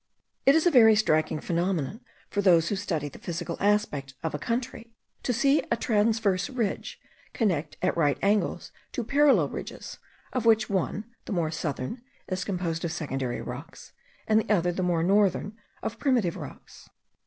It is a very striking phenomenon for those who study the physical aspect of a country, to see a transverse ridge connect at right angles two parallel ridges, of which one, the more southern, is composed of secondary rocks, and the other, the more northern, of primitive rocks.